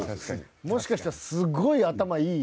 もしかしたら、すごい頭いい。